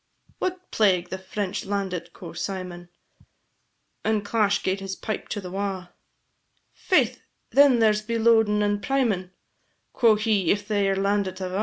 "What plague, the French landit!" quo' Symon, And clash gaed his pipe to the wa', "Faith, then there's be loadin' and primin'," Quo' he, "if they 're landit ava.